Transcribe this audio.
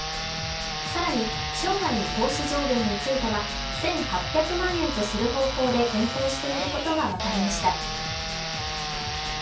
更に生涯の投資上限については１８００万円とする方向で検討していることが分かりました。